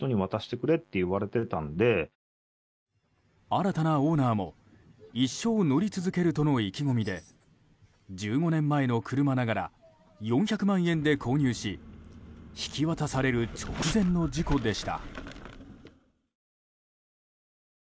新たなオーナーも一生乗り続けるとの意気込みで１５年前の車ながら４００万円で購入し引き渡される直前の事故でした。